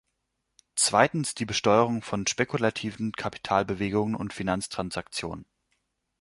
Zweitens die Besteuerung von spekulativen Kapitalbewegungen und Finanztransaktionen.